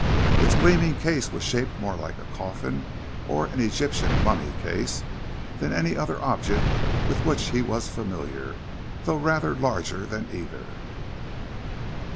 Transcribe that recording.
Its gleaming case was shaped more like a coffin, or an Egyptian mummy case, than any other object with which he was familiar, though rather larger than either.